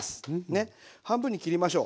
ね半分に切りましょう。